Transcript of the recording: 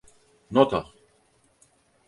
Not al.